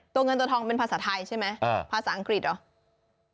เงินตัวทองเป็นภาษาไทยใช่ไหมภาษาอังกฤษเหรอ